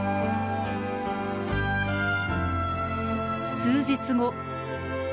数日後。